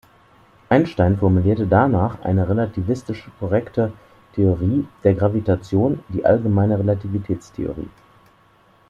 Einstein formulierte danach eine relativistisch korrekte Theorie der Gravitation, die Allgemeine Relativitätstheorie.